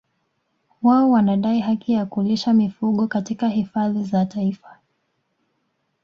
Wao wanadai haki ya kulisha mifugo katika hifadhi za Taifa